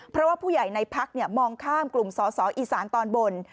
เพราะว่าผู้ใหญ่ในพักมองข้ามกลุ่มสอสออีสานตอนบน